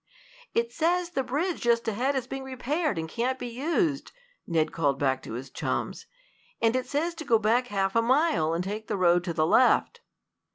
"It says the bridge just ahead is being repaired, and can't be used," Ned called back to his chums. "And it says to go back half a mile, and take the road to the left."